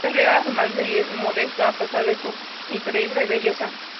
Es leal a su marido y es modesta, a pesar de su increíble belleza.